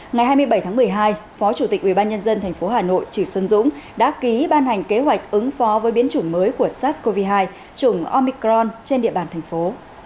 ngày hai mươi bảy tháng một mươi hai phó chủ tịch ubnd tp hà nội chỉ xuân dũng đã ký ban hành kế hoạch ứng phó với biến chủng mới của sars cov hai chủng omicron trên địa bàn thành phố